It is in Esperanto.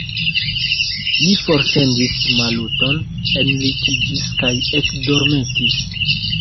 Li forsendis Maluton, enlitiĝis kaj ekdormetis.